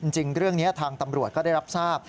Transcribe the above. จริงเรื่องนี้ทางตำรวจก็ได้รับทราบ